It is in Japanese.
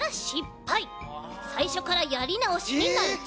さいしょからやりなおしになるち。